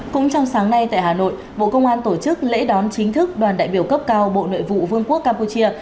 cũng trong sáng nay tại hà nội bộ công an tổ chức lễ đón chính thức đoàn đại biểu cấp cao bộ nội vụ vương quốc campuchia